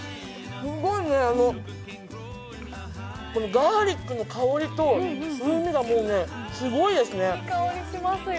ガーリックの香りと風味がもうすごいですね。